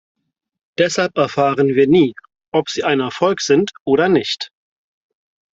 Deshalb erfahren wir nie, ob sie ein Erfolg sind oder nicht.